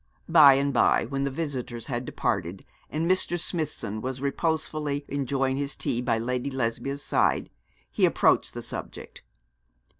By and by, when the visitors had departed, and Mr. Smithson was reposefully enjoying his tea by Lady Lesbia's side, he approached the subject.